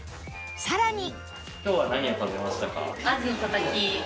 さらに